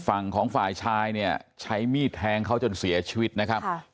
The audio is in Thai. ฝั่งของฝ่ายชายเนี่ยใช้มีดแทงเขาจนเสียชีวิตนะครับ